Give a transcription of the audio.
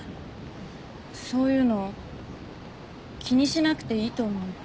そういうの気にしなくていいと思うよ。